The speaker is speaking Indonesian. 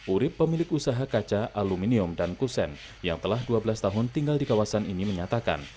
urib pemilik usaha kaca aluminium dan kusen yang telah dua belas tahun tinggal di kawasan ini menyatakan